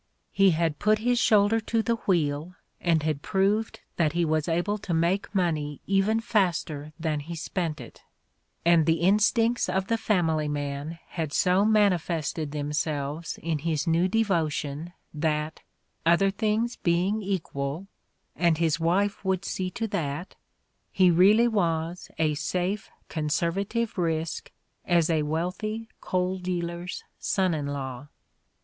He had put his shoulder to the wheel and had proved that he was able to make money even faster than he spent it; and the instincts of the family man had so manifested themselves in his new devotion that, other things being equal — and his wife would see to that —' he really was a safe, conservative risk as a wealthy coal dealer's son in law.